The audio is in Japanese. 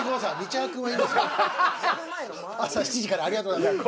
朝７時からありがとうございます。